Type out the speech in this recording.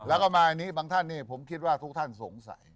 แล้วก็มาอันนี้บางท่านผมคิดว่าทุกท่านสงสัย